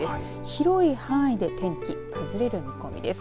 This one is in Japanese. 広い範囲で天気崩れる見込みです。